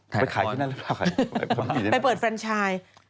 ไปขายที่นั่นล่ะไปเปิดเฟรนชาย